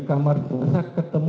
kamar jenazah ketemu